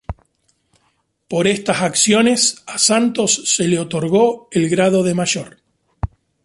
Por estas acciones, a Santos se le otorgó el grado de mayor.